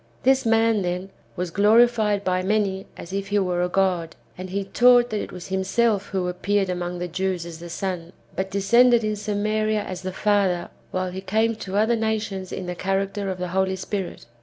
^ This man, then, was glorified by many as if he were a god ; and he taught that it was him self who appeared among the Jews as the Son, but descended in Samaria as the Father, while he came to other nations in tlie character of the Ploly Spirit.